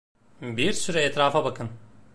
Bir süre etrafa bakın.